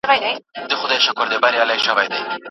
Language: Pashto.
ډېر چاڼ کولای سي د لوړ ږغ سره دلته راوړل سي.